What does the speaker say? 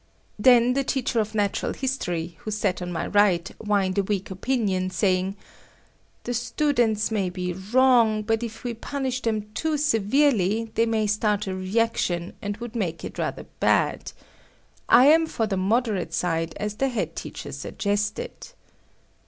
Then the teacher of natural history who sat on my right whined a weak opinion, saying "The students may be wrong, but if we punish them too severely, they may start a reaction and would make it rather bad. I am for the moderate side, as the head teacher suggested."